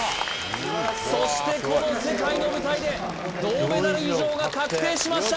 そしてこの世界の舞台で銅メダル以上が確定しました